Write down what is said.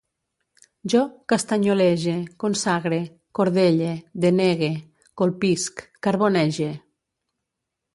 Jo castanyolege, consagre, cordelle, denegue, colpisc, carbonege